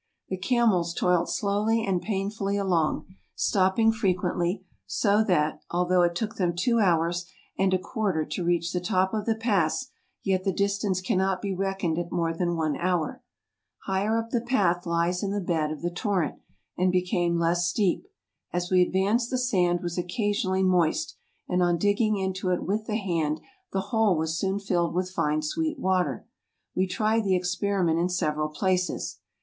The camels toiled slowly and painfully along, stopping frequently; so that, although it took them two hours and a quarter to reach the top of the pass, yet the distance cannot be reckoned at more than one hour. ... Higher up the path lies in the bed of the torrent, and became less steep. As we advanced the sand was occasionally moist, and on digging into it with the hand, the hole was soon filled with fine sweet water. We tried the expe¬ riment in several places.